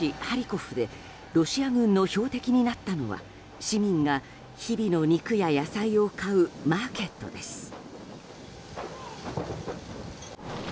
ハリコフでロシア軍の標的になったのは市民が日々の肉や野菜を買うマーケットです。